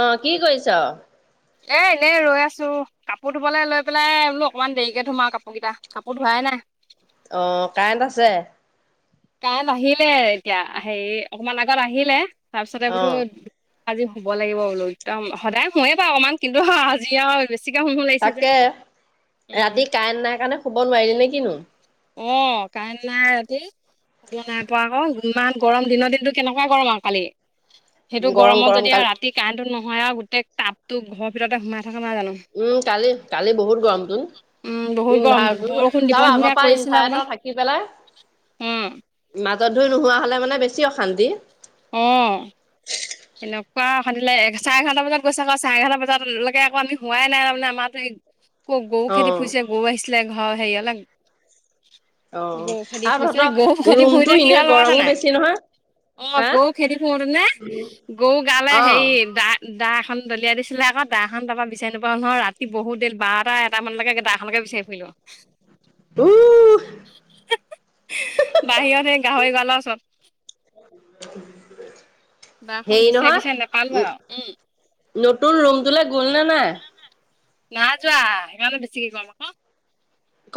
অ কি কৰিছ? এ এনেই ৰৈ আছো কাপোৰ ধুবলৈ লৈ পেলাই বোলো অকনমান দেৰিকে ধুম আৰু কাপোৰ কেইটা কাপোৰ ধোৱাই নাই। [unintelligible] অ' কাৰেণ্ট আছে? কাৰেণ্ট আহিলে এতিয়া হেৰি অকমান আগত আহিলে তাৰপিছতে অ বোলো আজি শুব লাগিব বোলো একদম সদায় শোয়ে বাৰু অকণমান কিন্তু আজি আৰু বেছিকে শুম শুম লাগিছে যে তাকে, উম ৰাতি কাৰেণ্ট নাই কাৰণে শুব নোৱাৰিলি নে কিনো। অ' কাই নাই ৰাতি। শুব নাই পোৱা আকৌ ইমান গৰম দিনৰ দিনতটো কেনেকুৱাই গৰম আৰু কালি। সেইটো গৰম গৰমত গৰম যদি কালি ৰাতি কাৰেণ্টটো নহয় আৰু গোটেই টাবতো ঘৰৰ ভিতৰতে সোমাই। থকা নাই জানো উম কালি কালি বহুত গৰমটোন উম বহুত উ ভ গৰম বৰষুণ দিব নিচিনা য আ কৰিছিলে অকমান ইনভাৰ্ট থাকি পেলাই উম মাজত ধুৰি নোহোৱা হলে মানে বেছি বেছি অশান্তি। অ'। এনেকুৱা অশান্তি লগে, চাৰে এঘাৰটা বজাত গৈছে আকৌ চাৰে এঘাৰটা বজাতালকে আকৌ আমি হোৱাই নাই তাৰমানে আমাৰো ক গৰু অ খেতি ফুৰিছে গৰু আহিছিলে ঘৰ হেৰীয়ালে। অ গৰু খেদি আৰু ফুৰিইছে, তহঁতৰ গৰু খেদি ৰুমটো ফুৰিতে কি এনে হ'ল লগাইছে গৰমো নাই? বেছি নহয় অ হা গৰু খেদি থোতে নে গৰু গালে অ হে দা দা এখন দলিয়াই দিছিলে আকৌ দাখন তাবা বিচাৰি নাপাওঁ নহয় ৰাতি বহুত দেৰি বাৰটা এটা মানলৈকে দা সনকে বিচাৰি সুৰিলো। উ বাহিৰত সেই গাহৰি গালৰ ওচৰত। দাখন হেৰি বিচাৰি নহয় বিচাৰি নেপালো উ আৰু উম নতুন ৰুমটো গল নে নাই? না যোৱা ইমানে বেছিকে উঠিছে।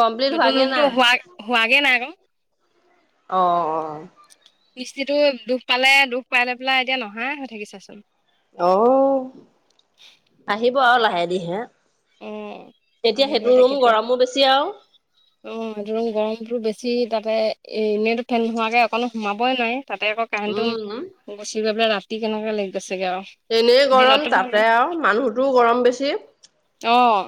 কমপ্লিট নতুন হোৱাগে ৰুমতটো নাই হোৱা হোৱাগে নাই আকৌ। অ'। মিস্ত্ৰীটো দুখ পালে দুখ পাই লৈ পেলাই এতিয়া নহাই হৈ থাকিছাচোন। অহ, আহিব আৰু তাকে লাহে দি হে। অ' এতিয়া আহিব সেইটো এতিয়া ৰুম কেতিয়া গৰমো বেছি আৰু। অ' এইটোৰুম গৰমতটো বেছি তাতে এ এনেইতো ফেন নোহোৱাকে অকণো সোমাবই নাই। তাতে আকৌ উম কাৰেণ্টটো গুচি গৈ পেলাই ৰাতি কেনেকে লাগি গৈছে চাগে এনেই আৰু গৰম দিনতটো ভাল, তাতে আৰু মানুহটোও গৰম বেছি অ'।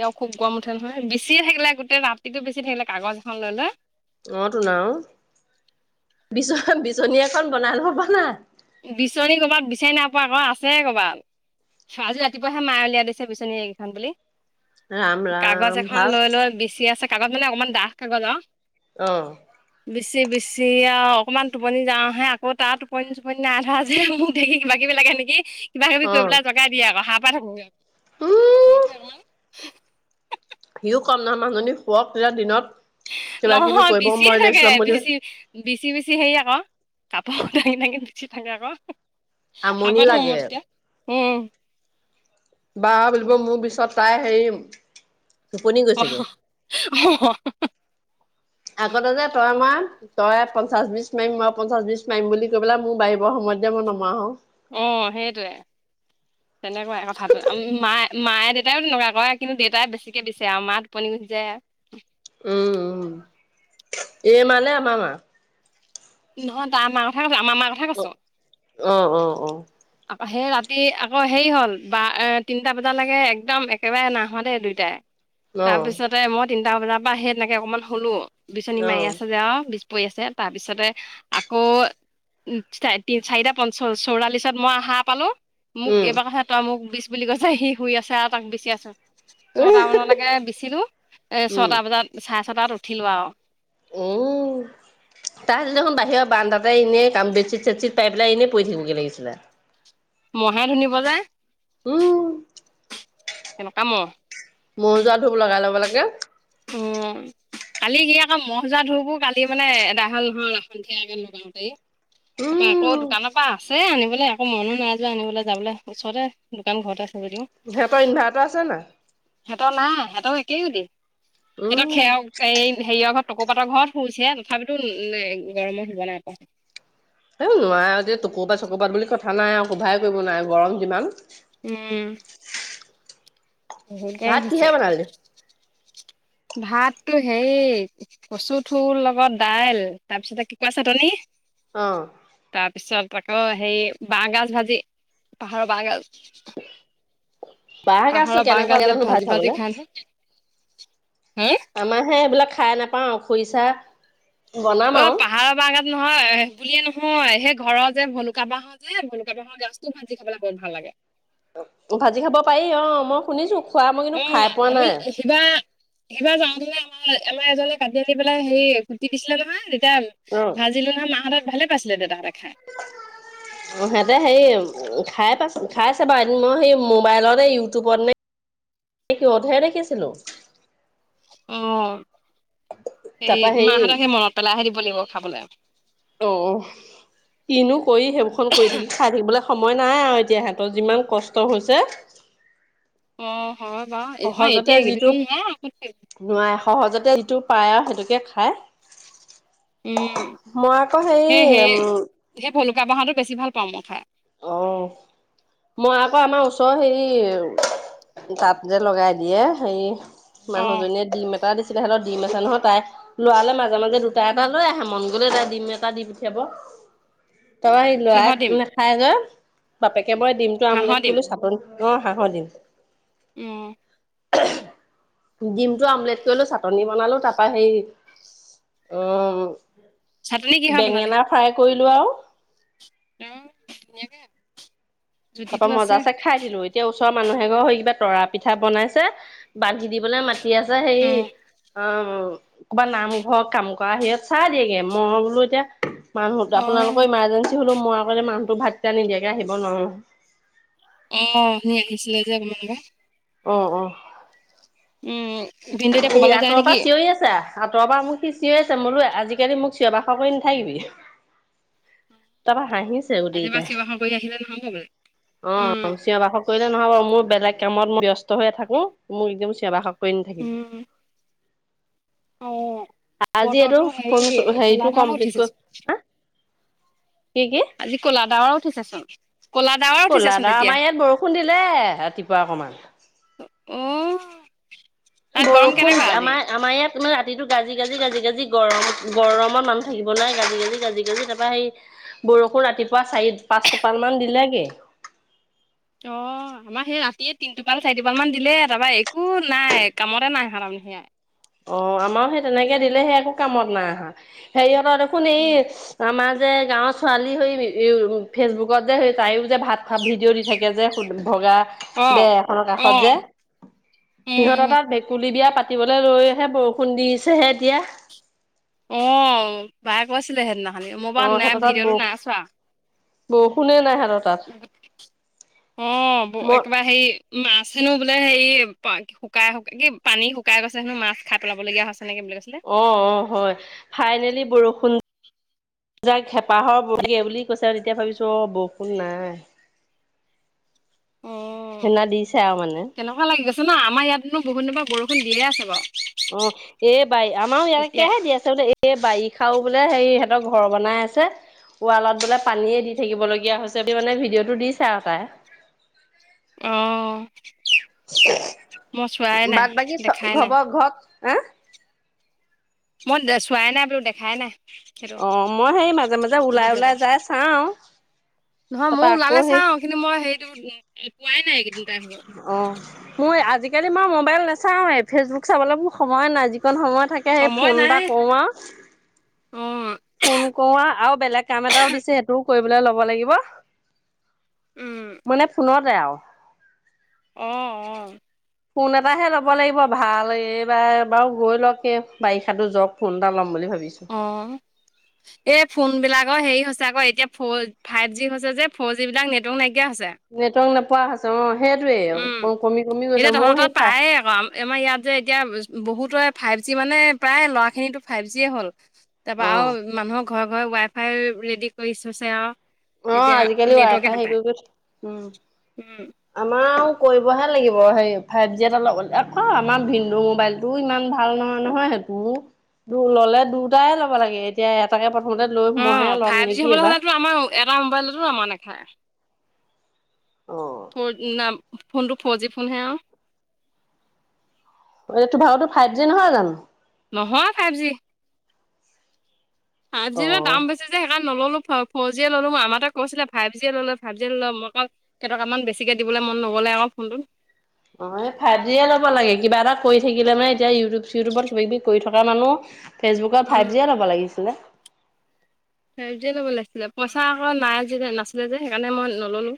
এ খুব গম উঠে নহয় বেছিয়ে থাকিলে গোটেই ৰাতিটো বেছি থাকিলে কাগজ এখন লৈ লৈ। অ' টো ন'। বিচ বিচনী এখন বনাই লব পৰা নাই। বিচনী কৰবাত বিচাৰি নাপোৱা আকৌ আছে কৰ'বাত। আজি ৰাতিপুৱাহে মায়ে উলিয়াই দিছে বিচনী এইকেইখন বুলি। ৰাম কাগজ ৰাম এখন ভাল লৈ লৈ বিচি আছে কাগজ মানে অকমান দাখ কাগজ আৰু। অ', বিচি বিচি আৰু অকণমান টোপনি যাওঁহে আকৌ তাৰ টোপনি টোপনি নাই ধৰা যে মোৰ দেৰি কিবা কিবি লাগে নেকি কিবা কিবি অ কৰি পেলাই জগাই দিয়ে আৰু শাৰ পাই থাকোঁ উম [unintelligible] সিও কম নহয় মাজনী শুৱক বুলে দিনত কিবা কিবি নহয় কৰিব বেচিয়ে মই ৰেষ্ট থাকে ল'ম বুলি বেছি বেছি বেছি হে আকৌ কাপোৰ দাঙি দাঙি নুচি থাকে আকৌ হাবা আমনি ধ হু'ম লাগে তেতিয়া উম। বা বুলিব মোৰ পিছত তাই হেৰিম অহ অহ। আগতে যে তই মাৰ তই পঞ্চাশ বিশ মাৰিম মই পঞ্চাশ বিশ মাৰিম বুলি কৈ পেলাই মোৰ বাঢিবৰ সময়ত যে মই নমৰা হও। অ' হেইটোৱে। তেনেকুৱাই কথাটো মায়ে - মায়ে দেউতাই তেনেকুৱা কৰে কিন্তু দেউতাই বেছিকে বিছে আৰু মা টোপনি যায়। উম, উম, এই মানে আমাৰ মা নহয় তাৰ মা হে অ', অ', অ', সেই ৰাতি আকৌ হেৰি হল বা, তিনিটা বজালৈকে একদম একেবাৰে নাই শুৱা দেই দুইটাই। তাৰপিছতে মই তিনটা বজাৰ পৰা সেই তেনেকে অকণমান শুলো বিচনী অ মাৰি আছে যে আৰু পৰি আছে তাৰপিছতে আকৌ তি চাৰিটা প চৌৰাশি তাৰপিছত মই শাৰ পালোঁ, মোক উম এইবাৰ কথা তই মোক বীছ বুলি কৈছে, সি শুই আছে আৰু তাক বিচি আছোঁ। ছয়টামানলৈকে বিচিলো এ উম ছয়টা বজাত চাৰে ছটাত উঠিলো আৰু। উম, [inaudible] তাহাঁতি দেখোন বাহিৰৰ বাৰাণ্ডাতে এনেই বেডশ্বীট চেটশ্বীট পাৰি পেলাই এনেই পৰি থাকিব গে লাগিছিলে। মহে ধুনিব যে। উম, কেনেকুৱা মহ। মহ যোৱা ধূপ লগাই ল'ব লাগে। উম, কালি কি আকৌ মহ যোৱা ধূপো কালি মানে এডাই হল নহয় সন্ধিয়াকে লগাওঁতে। ত' আকৌ উম দোকানৰ পৰা আছে আনিব মানে আকৌ মনো নাইযোৱা আনিবলৈ যাবলৈ ওচৰতে দোকান ঘৰতে যদিও সিহঁতৰ ইনভাৰ্টাৰ আছে নাই? সিহঁতৰ নাই সিহঁতৰ একেই গতি, সিহঁতৰ উম খেৰ এই হেৰিয়ৰ ঘৰত তকৌ পাতৰ ঘৰত শুইছে তথাপিতো গৰমৰ শুব নাই পৰা। এ নোৱাৰে দেই তকৌ পাত চকৌ পাত বুলি কথা নাই আৰু কোভাৰেই কৰিব নোৱাৰে গৰম কিমান। উম, বহুত গৰম ভাত কিহে হৈছে। বনালি ভাতটো হেৰি কচু থুৰ লগত দাইল তাৰপিছতে কেঁকোৰা চাটনি অ তাৰপিছত আকৌ হেৰি বাঁহ গাজ ভাজি পাহাৰৰ বাঁহ গাজ। বাঁহ গাজটো কেনেকুৱা লাগে জানো ভাত ভাজি ভাজি খাবলে? খাই নহয় হে আমাৰ হে এইবিলাক খাই নাপাওঁ খুৰিচা অ', পাহাৰৰ বাঁহ গাজ নহয় হয় বুলিয়ে নহয় সেই ঘৰৰ যে ভলুকা বাঁহৰ যে ভলুকা বাঁহৰ গাজটো ভাজি খাবলৈ বহুত ভাল লাগে। ভাজি খাব পাৰি অ, মই শুনিছোঁ অ', আমি সিবা সিবাৰ যাওঁতেলে আমাৰ এমাৰ এজনে কাটি আনি পেলাই হেৰি খুটি দিছিলে নহয়, তেতিয়া ভাজিলো নহয় মাহঁতে ভালে পাইছিলে দেতা হঁতে। সেহঁতে হেৰি খাই পাইছোন খাই চাবা, এদিন মই সেই মোবাইলৰে ইউটিউবত নে এই কি অধায় দেখিছিলো। অ', সেই তাৰপা হেৰি মাহঁতক সেই মনত পেলাইহে দিব লাগিব খাবলৈ। অ', কিনো কৰি সেইবোৰখন কৰি থাকি খাই থাকিবলৈ সময় নাই আৰু এতিয়া সিহঁতৰ যিমান কষ্ট হৈছে। অ', হয় বাৰু সহজতে এতিয়া যিটো এইকেইদিনত নোৱাৰ নোৱাৰে সহজতে যিটো পায় আৰু সেইটোকে খায় উম মই আকৌ হেৰি সেই সেই উম, সেই ভলুকা বাঁহৰটো বেছি ভাল পাওঁ মই খাই। অ', মই আকৌ আমাৰ ওচৰৰ হেৰি তাত যে লগাই দিয়ে হেৰি অ মানুহজনীয়ে দিম টা দিছিলে হেলেও ডিম আছে নহয়, তাই লৰাললে মাজে মাজে দুটা এটা লৈ আহে মন গলে তাই ডিম এটা দি পঠিয়াব [inaudible] [inaudible] তই কিহৰ দিম ল'ৰাই নেখাই যে, বাপেকে মই দিমটো হাঁহৰ আমলেট কৰিলো চা অ', শাহৰ দিম। উম, ডিমটো আমলেট কৰিলো চাটনি বনালো তাৰপা সেই উম, চাটনি কিহৰ বনালি বেঙেনা ফ্ৰাই কৰিলোঁ আৰু। [unintelligible] তাৰ পৰা জুতিটো আছে। মজাচে খাই দিলো এতিয়া ওচৰৰ মানুহ এঘৰ সেই কিবা তৰা পিঠা বনাইছে বান্ধি দিবলৈ মাতি কি আছে সেৰি উম, অ', ক'ৰবা নামঘৰত কাম কৰা হেত চাই দিয়েগে মই বোলো এতিয়া মানুহত অ', আপোনালোকৰ ইমাৰজেঞ্চি হ'লেও মই আকলে মানুহটো ভাত কিটা নিদিয়াকে আহিব নোৱাৰো নহয়। অ', সি আহিছিলে যে [unintelligible] অ', অ', উম, ভিনদেউ এতিয়া এই ক'বালৈ যায় আঁতৰৰ নেকি? পৰা চিঞৰি আছে আঁতৰৰ পৰা মোক সি চি আছে মই বোলো আজিকালি মোক চিঞ বাখৰ কৰি নাথাকিবি। তাৰপা হাঁহি আজি পৰা গোটেইকেইটাই সেৱাখন কৰি আহিলে নহ'ব বোলে। অ', উম, চিঞৰ বাসৰ কৰিলে নহ'ব, মোৰ বেলেগ কামত মই ব্যস্ত হৈ থাকো, মোক একদম চিঞৰ বাসৰ কৰি নাথাকিবি। উম, অ', আজি এইটো বতৰটো ফোন হেৰি কোলা হেৰিটো ধাল কমপ্লিট কৰি উঠিছেচোন হা কি কি আজি কোলাডাৱৰ উঠিছোচোন। কোলা দা আমাৰ ইয়াত বৰষুণ দিলে ৰাতিপুৱা অকমান। অ', তাত গৰম বৰষুণ কেনেকুৱা আজি? আমাৰ আমাৰ ইয়াত তোমাৰ ৰাতটো গাজি, গাজি, গাজি, গাজি, গৰম গৰমত মানুহ থাকিব নোৱাৰে গাজি, গাজি, গাজি, গাজি তাৰপৰা সেই বৰষুণ ৰাতিপুৱা চাৰি পাঁচ টোপাল মান দিলেগে। [inaudible] অ', আমাৰ সেই ৰাতিয়ে তিনটোপাল চাৰিটোপাল মান দিলে তাৰপা একো নাই কামতে নাই আহা তাৰমানে। সেয়াই। অ', আমাৰো সেই তেনেকে দিলে সেই একো কামত নাই অহা হেৰি সেহঁতৰ দেখোন এই উম, আমাৰ যে গাঁৱৰ ছোৱালী হৈ ফেচবুকত যে স তাইো যে ভাত খ ভিডিঅ' দি থাকে যে ভগা অ', বেয়া এখনৰ কাষত অ', যে, উম, সিহঁতৰ উম। তাত ভেকুলী বিয়া পাতিবলৈ লৈ ে বৰষুণ দিছেহে এতিয়া। অ' বায়ে কৈছিলে সেইদিনাখনানি মোবাইল অ', নাই সিহঁতৰ তাত ভিডিঅ'টো বৰ নাই ছোৱা। বৰষুণে নাই হ অ' মই একেবাৰে হেৰি মাছেনো বোলে হেৰি শুকাইু কি পানী শুকাই গৈছে হেনো মাছ খাই পেলাব লগগীয়া হৈছে। নেকি বুলি কৈছিলে। অ' অ' হয় ফাইনেলি বৰষুণ যাই হেঁপাহৰ বৰগী বুলি কৈছে আৰু তেতিয়া ভাবিছো অ' বৰষুণ নাই। [inaudible] অ', সেনা দিচা আৰু মানে। কেনেকুৱা লাগি গৈছে আমাৰ ইয়াতনো বহুত দিনৰ পৰা বৰষুন দিয়ে আছে বাৰু। অ', এই বাৰী আমাৰো এতিয়া ইয়াকহে দি আছে বোলে এই বাৰীখাও বোলে হে সিহঁতৰ ঘৰৰ বনাই আছে ৱালত বোলে পানীয়ে দি থাকিবলগীয়া হৈছে বুলে, মানে ভিডিঅ'টো দিছে আৰু তাই। অ', মই চোৱাই নাই বাট বাকী চ দেখাই ঘৰ নাই পৰা ঘৰত আ, মই চোৱাই নাই বু দেখাই নাই। সেইটো অ' মই সেই মাজে মাজে ওলাই ওলাই ভিডিঅ'টো যাই চাওঁ। নহয় ময় তাৰপা আকৌ ওলালে সেই চাও কিন্তু মই হেৰিটো পোৱাই নাই এইকেইদিন টাইম অ' মই আজি আজিকালি মই মোবাইল নাচাওঁৱেই ফেচবুক চাবলৈ মোৰ সময় নাই যিকণ সময়ত থাকে সেই সময় ফোন এটা নাই কৰো আৰু। অ', ফোন কৰোোৱা আৰু বেলেগ কাম এটাও দিছে সেইটোও কৰিবলৈ ল'ব লাগিব। উম, মানে ফোনৰতে আৰু। আহ আহ। ফোন এটা হে ল'ব লাগিব ভাল এইবাৰ বাৰু গৈ লওক বাৰিষাো যাক ফোন এটা ল'ম। বুলি ভাবিছো। এ ফোন বিলাকৰ হেৰি হৈছে আকৌ এতিয়া ফ ফাইভ জি হৈছে যে ফ'ৰ জি বিলাক নেটৱৰ্ক নাইক নেটৱক নোপোৱা হৈছে অ'। সেইটোৱে উম, কমি কমি গৈছে এতিয়া মোৰ তহতাত সেই পায় আকৌ আমাৰ ইয়াত যে এতিয়া বহুত ফাইভ জি মানে প্ৰায় ল'ৰা খিনিতো ফাইভ জিে হ'ল তাৰ অ', মানুৰ মই ৱাই ফাই ৰেডি কৰিছোঁ চ আৰু। অ' এতিয়া আজিকালি ৱাই নেটৱৰ্কে খাই হে নাপায়। কৰি থ, উম, উম, আমাৰ কৰিবহে লাগিব সেই ফাইভ জি এটা লগ খ আমাৰ ভিন্দু মোবাইলটোও ইমান ভাল নহয় নহয় সেইটো ললে দুটাই ল'ব লাগে এতিয়া এটাকে থথতে লৈ মইহে অ' ল'ম ফাইভ জি নেকি হ'বলৈ এবাৰ। হ'লেতো আমাৰ এটা মোবাইলতো আমাৰ নেখায়। অ', ফৰদ নাম ফোনটো ফৰ জি ফোন হে আৰু। এইটো ভাগৰতো ফাইভ জি নহয় জানো? নহয় ফাইভ জি। ফাইভ জি অ', দাম বেছি যে সেইকাৰণে নললো। ফ'ৰ জিয়ে ললো মই আমাটোৱে কৈছিলে ফাইভ জিয়ে লই ল' ফাইভ জিয়ে লই ল' মই আক কেটকামান বেছিকৈ দিবলৈ মন ন'গল। [unintelligible] আকৌ ফোনটোত। অ', ফাইভ জিয়ে লব লাগে কিবা এটা কৰি থাকিলে মানে এতিয়া ইউটিউব, চিউটিউবত কিবা কিবি কৰি থকা মানুহ ফেচবুকৰত উম, ফাইভ জিয়ে ল'ব লাগিছিলে। ফাইভ জিয়ে ল'ব লাগিছিলে পইচা আকৌ নাই যে নাছিলে যে সেইকাৰণে মই ন'ললো।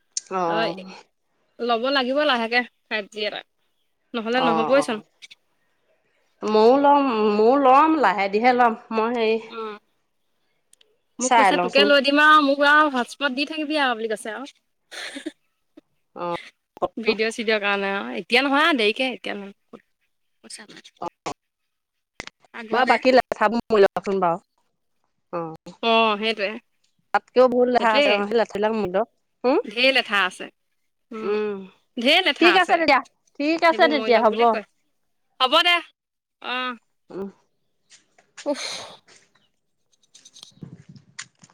অ'। ল'ব লাগিব লাহেকে ফাইভ জি এটা। নহ'লে অ', নহ'বইচোন অ', মওঁ ল'ম মোৰ লম লাহেধিৰে ল'ম। মই হেৰি মোক চাই কৈছে তোকে লওঁচোন লৈ দিম আৰু মোক কোৱা আৰু হটস্পত দি থাকিবি আৰু বুলি আৰু কৈছে আৰু। ভিডিঅ' চিডিঅ' কাৰণে অ' এতিয়া নহয় দেৰিকে এতিয়া নহয়। পইচা নাই অ', বা আগলে বাকী লেঠা বোৰ মৰিলকচোন বাৰু অ'। অ', হেইটোৱে। তাতকেও বহুত লেঠা আছে সেই লেঠাবিলাক মৰি লক। ঢেৰ লেঠা আছে, উম ঢেৰ লেঠা ঠিক আছে। তেতিয়া ঠিক আছে সেইবোৰ মৰি তেতিয়া লওক হ'ব বুলি কয়, হ'ব দে অ'। [inaudible] উওফ।